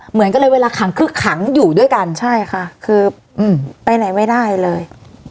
เหมือนกันเลยเวลาขังคือขังอยู่ด้วยกันใช่ค่ะคือไปไหนไม่ได้เลย